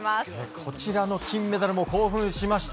こちらの金メダルも興奮しました。